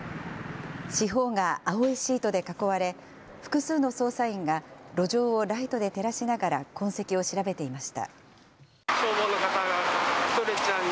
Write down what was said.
四方が青いシートで囲われ、複数の捜査員が路上をライトで照らしながら、痕跡を調べていました。